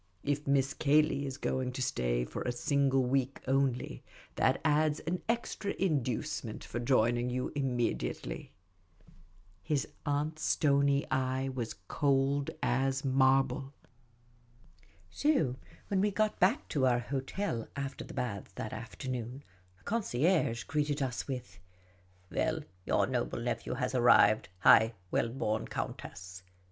If Miss Cayley is going to stay for a single week only, that adds one extra inducement for joining you immediately." His aunt's stony eye was cold as marble. So when we got back to our hotel after the baths that afternoon, the concierge greeted us with :" Well, your noble nephew has arrived, high well born countess